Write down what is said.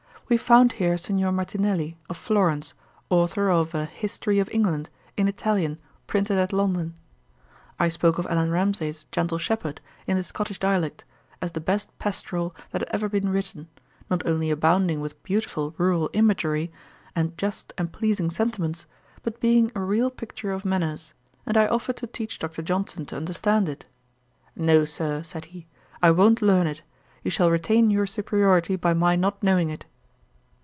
We found here Signor Martinelli, of Florence, authour of a History of England, in Italian, printed at London. I spoke of Allan Ramsay's Gentle Shepherd, in the Scottish dialect, as the best pastoral that had ever been written; not only abounding with beautiful rural imagery, and just and pleasing sentiments, but being a real picture of manners; and I offered to teach Dr. Johnson to understand it. 'No, Sir (said he,) I won't learn it. You shall retain your superiority by my not knowing it.'